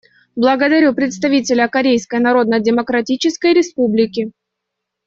Благодарю представителя Корейской Народно-Демократической Республики.